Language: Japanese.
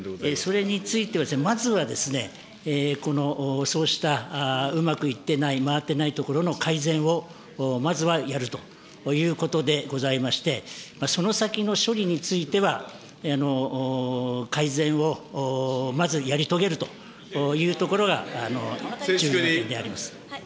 それについては、じゃあまずはこのそうしたうまくいってない、回ってないところの改善をまずはやるということでございまして、その先の処理については、改善をまずやり遂げるというところが。